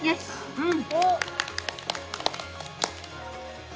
うん！